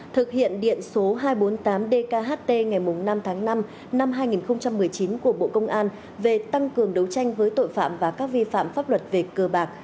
thực hiện điện số hai trăm bốn mươi tám dkht ngày năm tháng năm năm hai nghìn một mươi chín của bộ công an về tăng cường đấu tranh với tội phạm và các vi phạm pháp luật về cờ bạc